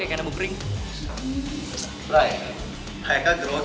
lai kayaknya gerogi